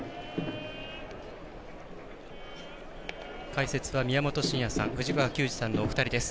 解説は宮本慎也さん、藤川球児さんのお二人です。